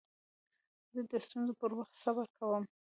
زه د ستونزو پر وخت صبر کوم.